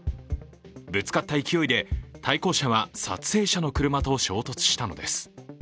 ぶつかった勢いで、対向車は撮影者の車と衝突したのです。